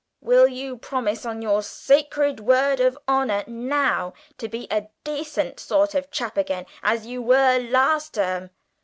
Will you promise on your sacred word of honour, now, to be a decent sort of chap again, as you were last term?"